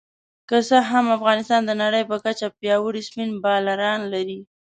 که څه هم افغانستان د نړۍ په کچه پياوړي سپېن بالران لري